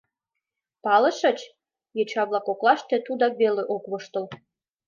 Палышыч, — йоча-влак коклаште тудак веле ок воштыл.